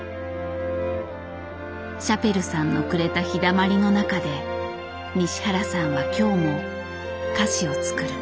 シャペルさんのくれた日だまりの中で西原さんは今日も菓子を作る。